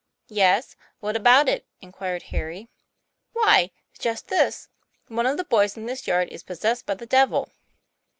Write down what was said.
"Yes; what about it?" inquired Harry. 'Why, just this, one of the boys in this yard is possessed by the devil."